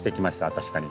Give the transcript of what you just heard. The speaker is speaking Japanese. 確かに。